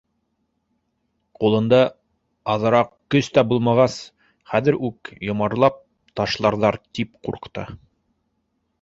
Ҡулында аҙыраҡ көс тә булмағас, хәҙер үк йомарлап ташларҙар, тип ҡурҡты.